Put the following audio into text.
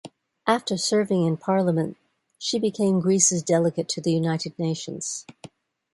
After serving in Parliament, she became Greece's delegate to the United Nations.